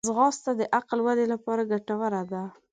ځغاسته د عقل ودې لپاره ګټوره ده